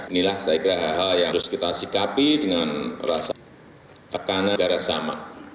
inilah saya kira hal hal yang harus kita sikapi dengan rasa tekanan negara sama